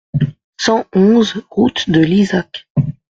cent onze route de Lizac